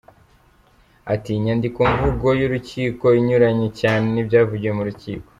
Ati: «Inyandikomvugo y’urukiko inyuranye cyane n’ibyavugiwe mu rukiko».